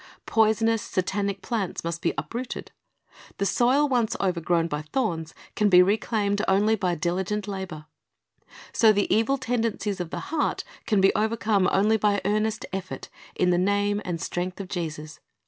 Poisonous, Satanic plants must be uprooted. The soil once overgrown by thorns can be reclaimed only by diligent labor. So the evil tendencies of the natural heart can be overcome only by earnest effort in the name and strength of Jesus.